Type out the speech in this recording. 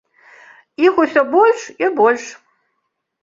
Іх усё больш і больш.